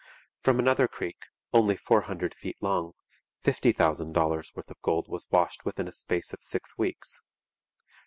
From another creek, only four hundred feet long, fifty thousand dollars' worth of gold was washed within a space of six weeks.